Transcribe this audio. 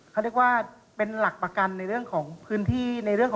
เขาเรียกว่าเป็นหลักประกันในเรื่องของพื้นที่